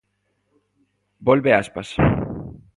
Volve Aspas.